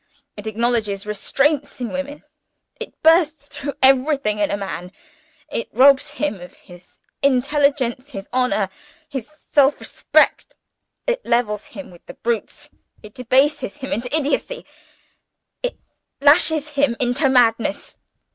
It acknowledges restraints in a woman it bursts through everything in a man. It robs him of his intelligence, his honor, his self respect it levels him with the brutes it debases him into idiocy it lashes him into madness.